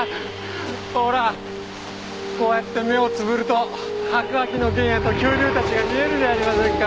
ほらこうやって目をつぶると白亜紀の原野と恐竜たちが見えるじゃありませんか！